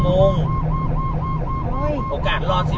ผู้ชีพเราบอกให้สุจรรย์ว่า๒